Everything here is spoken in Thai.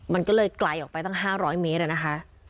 มันก็เลยไกลออกไปตั้ง๕๐๐เมตรนะคะ